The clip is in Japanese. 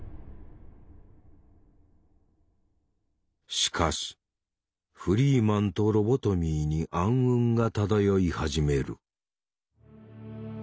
しかしフリーマンとロボトミーに暗雲が漂い始める。